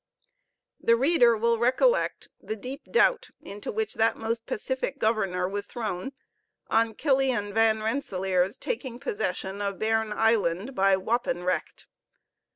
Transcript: The reader will recollect the deep doubt into which that most pacific governor was thrown on Killian Van Rensellaer's taking possession of Bearn Island by wapen recht.